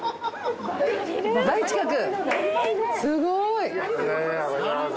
すごい。